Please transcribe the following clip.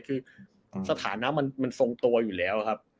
คือสถานะมันทรงตัวอยู่แล้วครับ